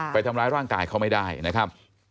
ไปทำร้ายร่างกายเขาไม่ได้นะครับ